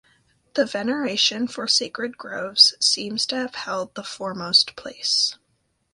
The veneration for sacred groves seems to have held the foremost place.